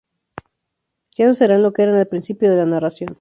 Ya no serán lo que eran al principio de la narración.